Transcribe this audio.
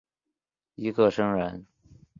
尹克升人。